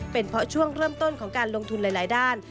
เป็นเพราะช่วงเริ่มต้นของการลงทุนหลายด้าน